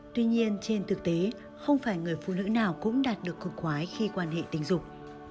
tuy nhiên trên thực tế không phải người phụ nữ nào cũng đạt được cục khoái khi quan hệ tình dục